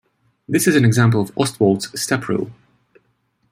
This is an example of Ostwald's step rule.